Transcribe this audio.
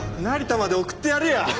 成田まで送ってやるよ！